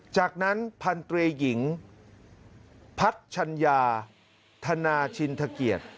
จากนั้นพันตรีหญิงพัชญาธนาชินทเกียรติ